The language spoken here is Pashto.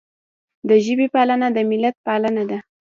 د ژبې پالنه د ملت پالنه ده.